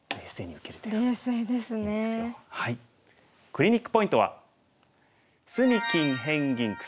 クリニックポイントは。